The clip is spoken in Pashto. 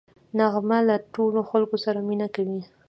نغمه له ټولو خلکو سره مینه کوي